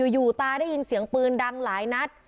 ตาได้ยินเสียงปืนดังหลายนัด